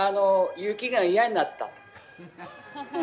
雪が嫌になった？